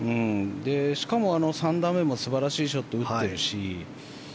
しかも３打目も素晴らしいショットを打っているし。